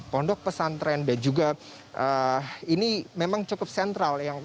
pondok pesantren dan juga ini memang cukup sentral